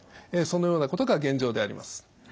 そのようなことが現状であります。